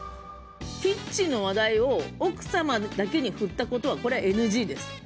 キッチンの話題を奥様だけに振ったことはＮＧです。